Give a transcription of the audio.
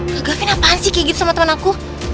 kak gafin apaan sih kayak gitu sama temen aku